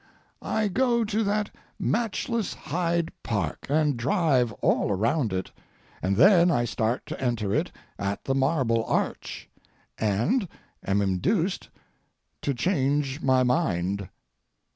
I go to that matchless Hyde Park and drive all around it, and then I start to enter it at the Marble Arch— and—am induced to "change my mind."